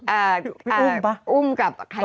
อ้าวพี่อุ้มป่ะอุ้มกับใครน่ะ